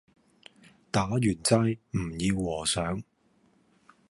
打完齋唔要和尚